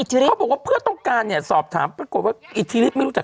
เขาบอกว่าเพื่อต้องการเนี่ยสอบถามปรากฏว่าอิทธิฤทธิไม่รู้จัก